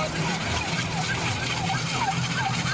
จอดจอด